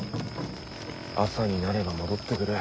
朝になれば戻ってくる。